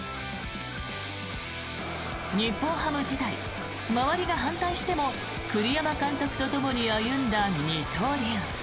日本ハム時代、周りが反対しても栗山監督とともに歩んだ二刀流。